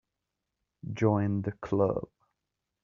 Join the Club.